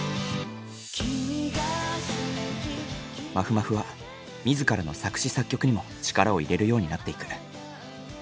まふまふは自らの作詞作曲にも力を入れるようになっていく。